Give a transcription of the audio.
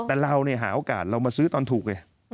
แต่เราเนี่ยหาโอกาสเรามาซื้อตอนถูกไง